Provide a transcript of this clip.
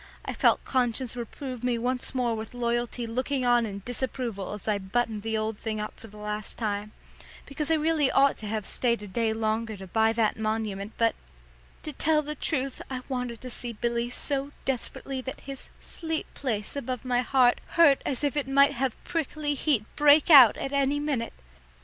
I felt conscience reprove me once more with loyalty looking on in disapproval as I buttoned the old thing up for the last time, because I really ought to have stayed a day longer to buy that monument, but to tell the truth I wanted to see Billy so desperately that his "sleep place" above my heart hurt as if it might have prickly heat break out at any minute.